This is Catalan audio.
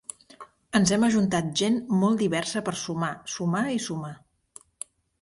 Ens hem ajuntat gent molt diversa per sumar, sumar i sumar.